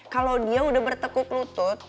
kalau dia udah bertekuk lutut